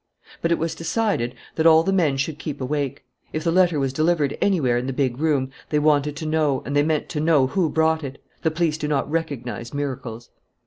But it was decided that all the men should keep awake. If the letter was delivered anywhere in the big room, they wanted to know and they meant to know who brought it. The police do not recognize miracles.